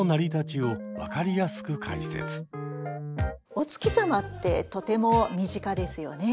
お月様ってとても身近ですよね。